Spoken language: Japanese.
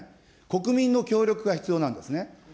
国民の協力が必要なんですね。